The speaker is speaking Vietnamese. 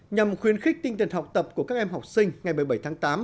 nhằm khuyến khích tinh thần học tập của các em học sinh ngày một mươi bảy tháng tám